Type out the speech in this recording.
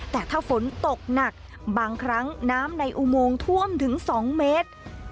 แต่ถ้าฝนตกหนักบางครั้งน้ำในอุโมงท่วมถึง๒เมตร